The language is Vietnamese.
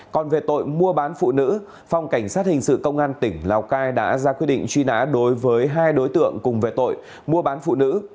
còn về tội mua bán phụ nữ phòng cảnh sát hình sự công an tỉnh lào cai đã ra quyết định truy nã đối với hai đối tượng cùng về tội mua bán phụ nữ